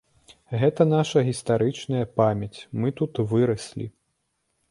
Гэта наша гістарычная памяць, мы тут выраслі.